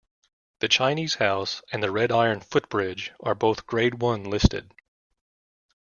The Chinese House and the red iron footbridge are both grade one listed.